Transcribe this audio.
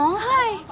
はい。